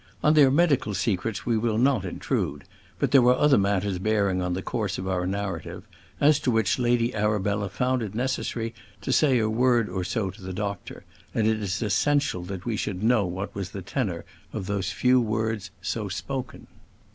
On their medical secrets we will not intrude; but there were other matters bearing on the course of our narrative, as to which Lady Arabella found it necessary to say a word or so to the doctor; and it is essential that we should know what was the tenor of those few words so spoken.